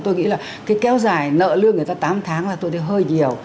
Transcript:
tôi nghĩ là cái kéo dài nợ lương người ta tám tháng là tôi thấy hơi nhiều